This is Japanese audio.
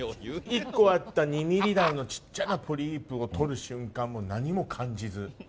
１個あった２ミリ大の小っちゃなポリープを取る瞬間も、もう何も感じず。